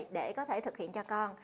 để có thể thực hiện cho con